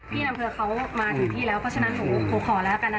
อำเภอเขามาถึงที่แล้วเพราะฉะนั้นหนูขอแล้วกันนะคะ